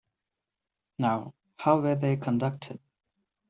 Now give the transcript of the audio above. Now, how were they conducted?